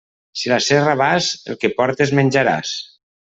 Si a la serra vas, el que portes, menjaràs.